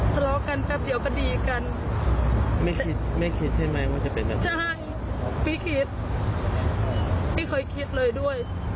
ทะเลาะกันแป๊บเดียวก็ดีกันไม่คิดใช่ไหมว่าจะเป็นแบบนั้นใช่พี่คิดไม่เคยคิดเลยด้วย